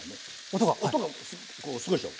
音が⁉音がこうすごいでしょ。